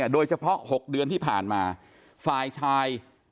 โดยเฉพาะ๖เดือนที่ผ่านมาฝ่ายชาย